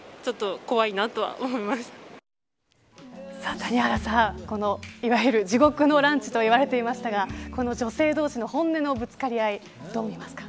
谷原さん、このいわゆる地獄のランチといわれていましたがこの女性同士の本音のぶつかり合いどう見ますか。